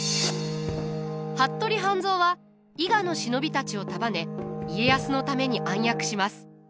服部半蔵は伊賀の忍びたちを束ね家康のために暗躍します。